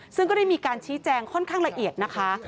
ซึ่งก็ได้มีการชี้แจงค่อนข้างละเอียดนะคะ